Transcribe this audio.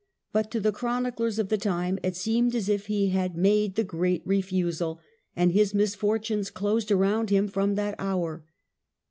But to the chroniclers of the time it seemed as if he had *made the great refusal', and his misfortunes closed around him from that hour.